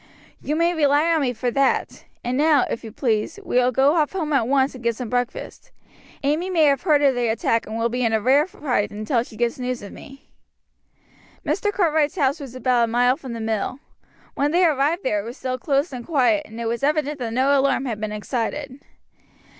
"You may rely on me for that; and now, if you please, we will go off home at once and get some breakfast. Amy may have heard of the attack and will be in a rare fright until she gets news of me." Mr. Cartwright's house was about a mile from the mill. When they arrived there it was still closed and quiet, and it was evident that no alarm had been excited.